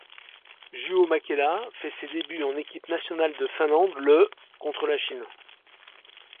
Juho Mäkelä fait ses débuts en équipe nationale de Finlande le contre la Chine.